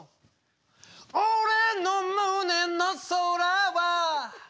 「おれの胸の空は」